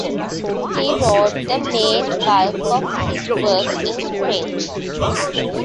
He wrote the main bulk of his work in French.